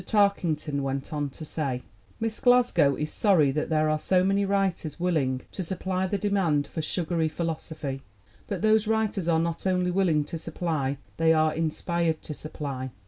Tarkington went on to say: "Miss Glasgow is sorry that there are so many writers willing to supply the demand for 'sugary phi losophy,' but those writers are not only willing to sup ply ; they are inspired to supply.